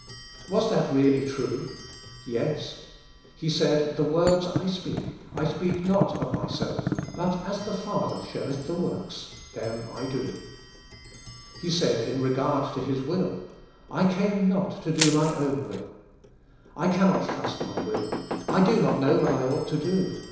Was that really true? Yes. He said^ "The words I speak, I speak CHRIST lylVETH IN ME). 147 not of Myself, but as the Father showeth the works, them I do." He said in reg"ard to His will, "I came not to do my own will. " I cannot trust my will. I do not know what I oug ht to do.